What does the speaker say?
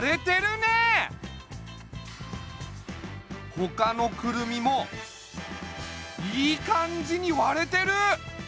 ほかのクルミもいい感じに割れてる！